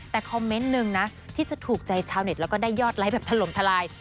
แต่คอมเมนต์หนึ่งนะที่จะถูกใจชาวเน็ตแล้วก็ได้ยอดไลค์แบบถล่มทลาย